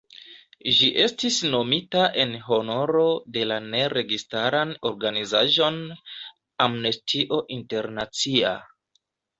Ĝi estis nomita en honoro de la ne-registaran organizaĵon "Amnestio Internacia".